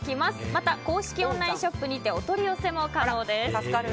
また公式オンラインショップにてお取り寄せも可能です。